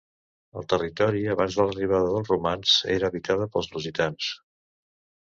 El territori abans de l'arribada dels romans era habitada pels lusitans.